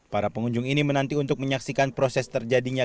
para pengunjung ini menanti untuk menyaksikan proses terjadinya